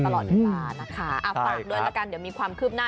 ตลอดเวลานะคะฝากด้วยละกันเดี๋ยวมีความคืบหน้า